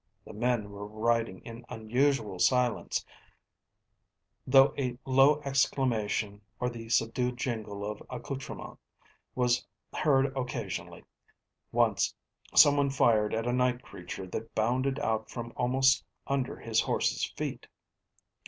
The men were riding in unusual silence, though a low exclamation or the subdued jingle of accoutrements was heard occasionally, once some one fired at a night creature that bounded out from almost under his horse's feet.